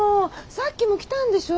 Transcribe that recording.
さっきも来たんでしょ？